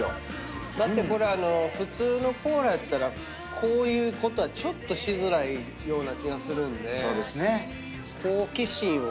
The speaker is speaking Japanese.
だってこれ普通のコーラやったらこういうことはちょっとしづらいような気がするんで。